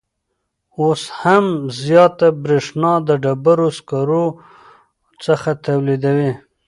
اوس هم زیاته بریښنا د ډبروسکرو څخه تولیدوي